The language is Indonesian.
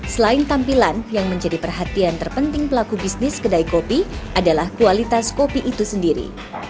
selain tampilan yang menjadi perhatian terpenting pelaku bisnis kedai kopi adalah kualitas kopi itu sendiri